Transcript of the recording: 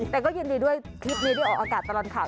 แต่ก็ยินดีด้วยคลิปนี้ได้ออกอากาศตลอดข่าว